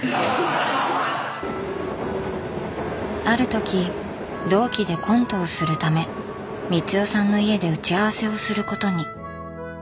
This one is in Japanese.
あるとき同期でコントをするため光代さんの家で打ち合わせをすることに。